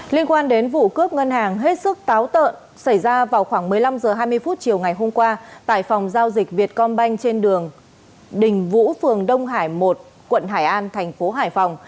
liên quan đến vụ cướp ngân hàng hết sức táo tợn xảy ra vào khoảng một mươi năm h hai mươi chiều ngày hôm qua tại phòng giao dịch việt công banh trên đường đình vũ phường đông hải một quận hải an thành phố hải phòng